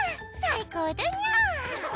最高だニャ！